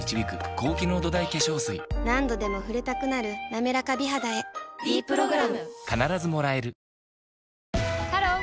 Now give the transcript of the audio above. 何度でも触れたくなる「なめらか美肌」へ「ｄプログラム」ハロー！